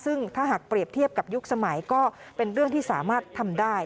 ซึ่งถ้าหากเปรียบเทียบกับยุคสมัยก็เป็นเรื่องที่สามารถทำได้